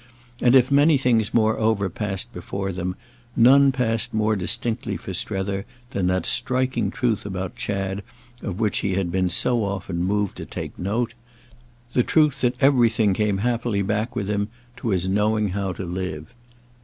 And if many things moreover passed before them, none passed more distinctly for Strether than that striking truth about Chad of which he had been so often moved to take note: the truth that everything came happily back with him to his knowing how to live.